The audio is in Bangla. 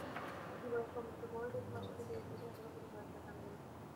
যুবরাজ কর্মচ্যুত প্রহরীদ্বয়কে মাসিক বৃত্তি দিতেছেন, একথা প্রতাপাদিত্যের কানে গেল।